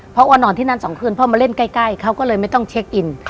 เพราะว่านอนที่นั่น๒คืนพ่อมาเล่นใกล้เขาก็เลยไม่ต้องเช็คอิน